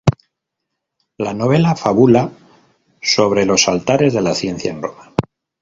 La novela fabula sobre los Altares de la ciencia, en Roma.